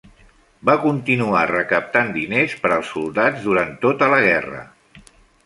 Va continuar recaptant diners per als soldats durant tota la guerra.